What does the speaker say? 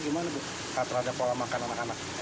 tidak terada pola makan anak anak